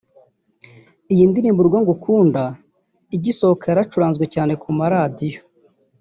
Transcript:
Iyi ndirimbo ‘Urwo Ngukunda’ igisohoka yaracuranzwe cyane ku maradiyo